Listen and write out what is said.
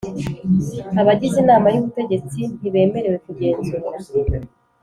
Abagize Inama y Ubutegetsi ntibemerewe kugenzura